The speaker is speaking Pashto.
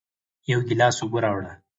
یو گیلاس اوبه راوړه